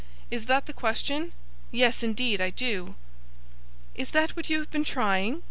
'Is that the question? Yes, indeed, I do.' 'Is that what you have been trying?